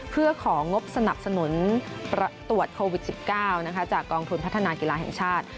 เพื่อของงบสนับสนุนตรวจโควิด๑๙จากกองทุนพัฒนากีฬาแห่งชาติ